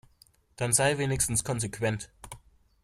Dann sei wenigstens konsequent.